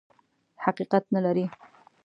حقیقت نه لري.